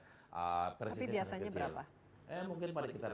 tapi biasanya berapa